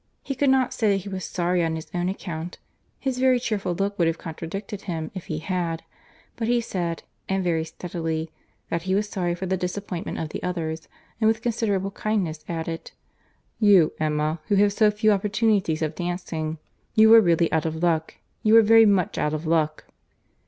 He could not say that he was sorry on his own account; his very cheerful look would have contradicted him if he had; but he said, and very steadily, that he was sorry for the disappointment of the others, and with considerable kindness added, "You, Emma, who have so few opportunities of dancing, you are really out of luck; you are very much out of luck!"